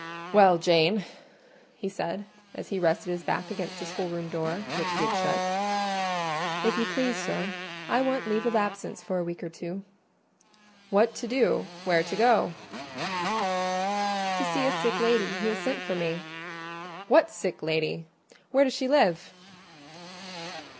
"Well, Jane?" he said, as he rested his back against the schoolroom door, which he had shut. "If you please, sir, I want leave of absence for a week or two." "What to do?—where to go?" "To see a sick lady who has sent for me." "What sick lady?—where does she live?"